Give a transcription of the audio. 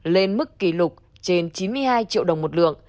lên mức kỷ lục trên chín mươi hai triệu đồng một lượng